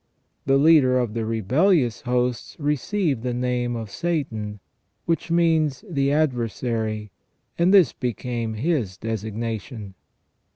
The leader of the rebellious hosts received the name of Satan, which means the adversary, and this became his designation.